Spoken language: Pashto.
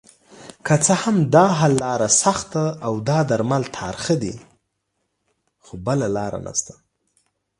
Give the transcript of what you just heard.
که څه هم داحل لاره سخته اودا درمل ترخه دي خو بله لاره نشته